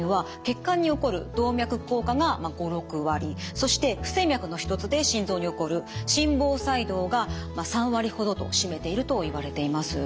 そして不整脈の一つで心臓に起こる心房細動が３割ほどを占めているといわれています。